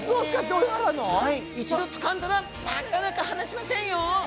一度つかんだらなかなか離しませんよ！